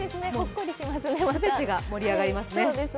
すべてが盛り上がりますね。